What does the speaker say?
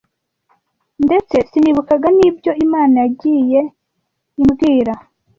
ndetse sinibukaga n’ibyo Imana yagiye imbwira